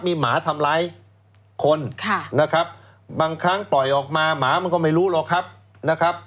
มีหมาทำลายคนครับบางครั้งต่อยออกมาหมาไม่รู้หรอกนะครับ